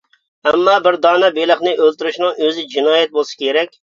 ئەمما بىر دانە بېلىقنى ئۆلتۈرۈشنىڭ ئۆزى جىنايەت بولسا كېرەك.